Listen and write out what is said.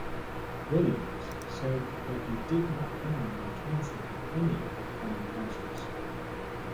Williams said that he did not plan on canceling any upcoming concerts.